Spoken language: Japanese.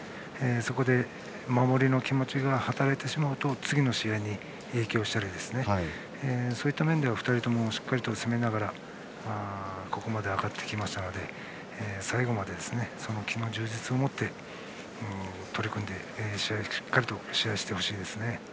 そこで守りの気持ちが働いてしまうと次の試合に影響したりそういった面では２人とも、しっかり攻めながらここまで上がってきたので最後まで気の充実を持って取り組んでしっかりと試合してほしいですね。